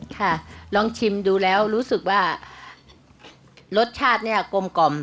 ค่ะลองชิมดูแล้วรู้สึกว่ารสชาติกลม